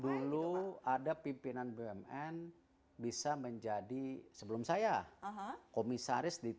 dulu ada pimpinan bumn bisa menjadi sebelum saya komisaris di tiga